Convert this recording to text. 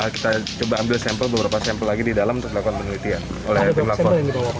kita coba ambil sampel beberapa sampel lagi di dalam untuk dilakukan penelitian oleh tim lapor